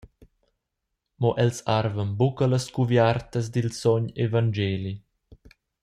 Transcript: Mo els arvan buca las cuviartas dil sogn Evangeli.